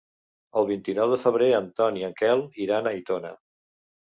El vint-i-nou de febrer en Ton i en Quel iran a Aitona.